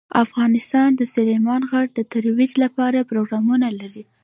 افغانستان د سلیمان غر د ترویج لپاره پروګرامونه لري.